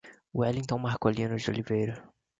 Wellington Marcolino de Oliveira